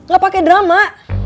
gak pake drama